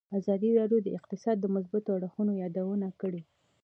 ازادي راډیو د اقتصاد د مثبتو اړخونو یادونه کړې.